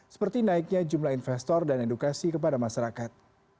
seperti naiknya jumlah investor dan edukasi kepada masyarakat